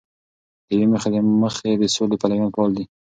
د یوې موخی د مخې د سولې پلویان فعال دي.